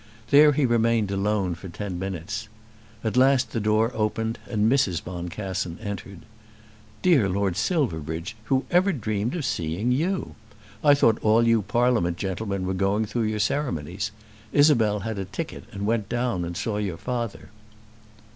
There he remained alone for ten minutes. At last the door opened, and Mrs. Boncassen entered. "Dear Lord Silverbridge, who ever dreamed of seeing you? I thought all you Parliament gentlemen were going through your ceremonies. Isabel had a ticket and went down, and saw your father."